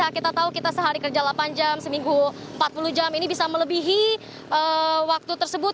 kita tahu kita sehari kerja delapan jam seminggu empat puluh jam ini bisa melebihi waktu tersebut